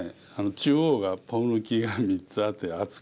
中央がポン抜きが３つあって厚くて。